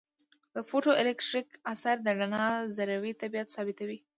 د فوټو الیټکریک اثر د رڼا ذروي طبیعت ثابتوي.